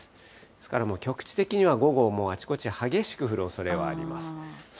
ですからもう局地的には、午後はあちこち激しく降るおそれはあります。